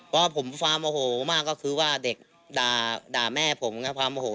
ว่าผมความโอโหมากก็คือว่าเด็กด่าแม่ผมความโอโห